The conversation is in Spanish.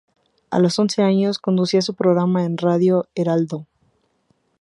A los doce años conducía su programa en Radio Heraldo.